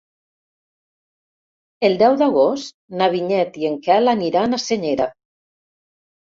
El deu d'agost na Vinyet i en Quel aniran a Senyera.